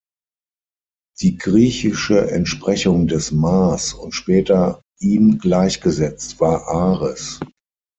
Die griechische Entsprechung des Mars und später ihm gleichgesetzt war Ares.